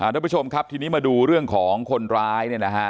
น้องผู้ชมทีนี้มาดูเรื่องของคนร้ายเนี่ยนะคะ